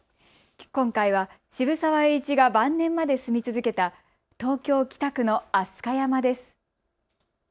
今回は渋沢栄一が晩年まで住み続けた東京北区の飛鳥山です。